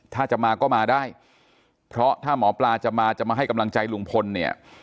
ถ้าจะมาก็มาได้เพราะถ้าหมอปลาจะมาจะมาให้กำลังใจลุงพลเนี่ย